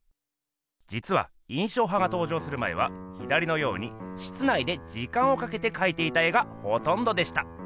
じつは印象派が登場する前は左のように室内で時間をかけてかいていた絵がほとんどでした。